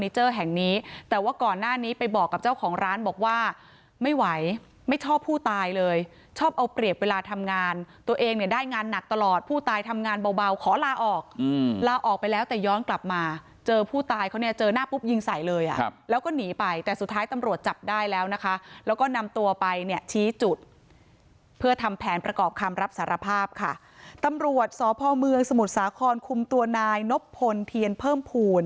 ชอบเอาเปรียบเวลาทำงานตัวเองเนี่ยได้งานหนักตลอดผู้ตายทำงานเบาขอลาออกลาออกไปแล้วแต่ย้อนกลับมาเจอผู้ตายเขาเนี่ยเจอหน้าปุ๊บยิงใส่เลยอ่ะแล้วก็หนีไปแต่สุดท้ายตำรวจจับได้แล้วนะคะแล้วก็นำตัวไปเนี่ยชี้จุดเพื่อทำแผนประกอบคำรับสารภาพค่ะตำรวจสพเมืองสมุทรสาครคุมตัวนายนบพลเทียนเพิ่ม